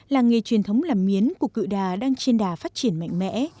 làng nghề truyền thống làm miến của cự đà đang trên đà phát triển mạnh mẽ